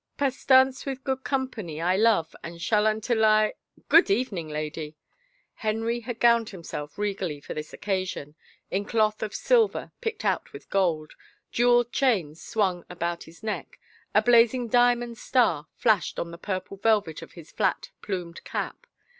Pastance with good company I love, and shall until I —" Good even, lady." Henry had gowned himself regally for this occasion, in cloth of silver picked out with gold; jeweled chains swtmg about his neck, a blazing diamond star flashed on the purple velvet of his flat, plumed cap.